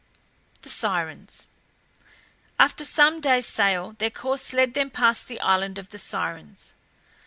THE SIRENS. After some days' sail their course led them past the island of the Sirens.